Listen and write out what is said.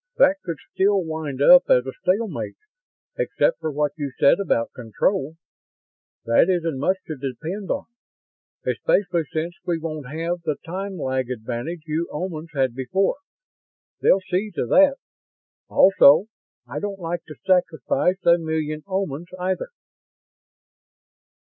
"That could still wind up as a stalemate, except for what you said about control. That isn't much to depend on, especially since we won't have the time lag advantage you Omans had before. They'll see to that. Also, I don't like to sacrifice a million Omans, either."